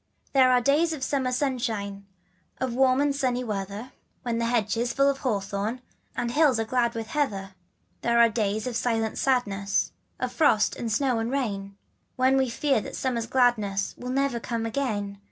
s^j ^HERE are days of summer sunshine, jf Of warm and sunny weather, When the hedge is full of hawthorn And hills are glad with heather. There are days of silent sadness, Of frost, and snow, and rain, When we fear that summer's gladness Will never come again.